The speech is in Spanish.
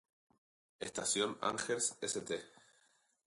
Estación de Angers St.